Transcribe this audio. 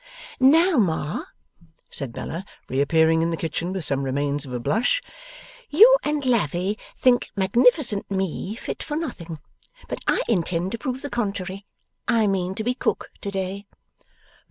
'Now, Ma,' said Bella, reappearing in the kitchen with some remains of a blush, 'you and Lavvy think magnificent me fit for nothing, but I intend to prove the contrary. I mean to be Cook today.